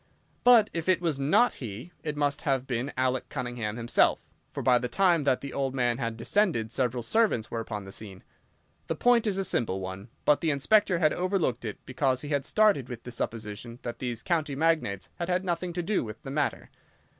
But if it was not he, it must have been Alec Cunningham himself, for by the time that the old man had descended several servants were upon the scene. The point is a simple one, but the Inspector had overlooked it because he had started with the supposition that these county magnates had had nothing to do with the matter.